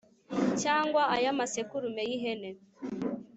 cyangwa ay’amasekurume y’ihene